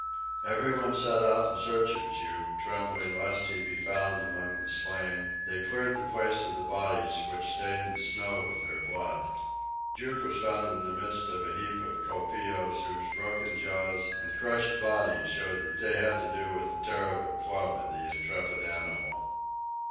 Everyone set out in search of Jup, trembling lest he should be found among the slain; they cleared the place of the bodies which stained the snow with their blood. Jup was found in the midst of a heap of colpeos whose broken jaws and crushed bodies showed that they had to do with the terrible club of the intrepid animal.